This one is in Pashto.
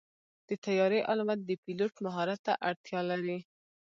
د طیارې الوت د پيلوټ مهارت ته اړتیا لري.